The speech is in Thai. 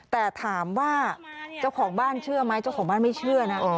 แต่ถามว่าเจ้าของบ้านเชื่อไหมเจ้าของบ้านไม่เชื่อนะ